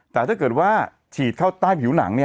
แต่ถ้าเกิดว่าฉีดเข้าใต้ผิวหนัง